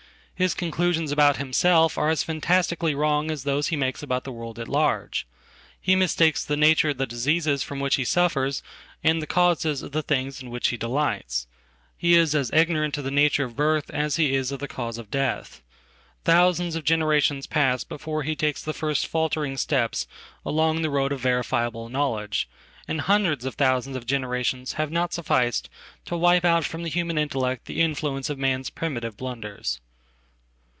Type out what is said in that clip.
His conclusions about himself are as fantastically wrong as thosehe makes about the world at large. He mistakes the nature of thediseases from which he suffers, and the causes of the things inwhich he delights. He is as ignorant of the nature of birth as heis of the cause of death. Thousands of generations pass before hetakes the first faltering steps along the road of verifiableknowledge, and hundreds of thousands of generations have notsufficed to wipe out from the human intellect the influence ofman's primitive blunders.